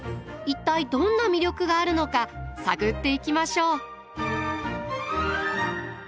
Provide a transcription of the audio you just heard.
一体どんな魅力があるのか探っていきましょう。